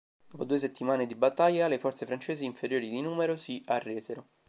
Dopo due settimane di battaglia, le forze francesi, inferiori di numero, si arresero.